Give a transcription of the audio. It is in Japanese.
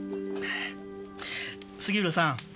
杉浦さん